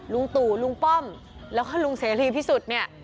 ลุงตุลลุงป้อมแล้วก็ลุงเสรีพิสุทธิ์